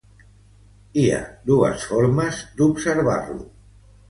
Hi ha dues formes d"observar-lo.